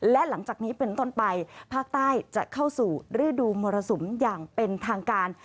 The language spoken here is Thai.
และหลังจากนี้เป็นต้นไปภาคใต้จะเข้าสู่ฤดูมรสุมอย่างเป็นทางการ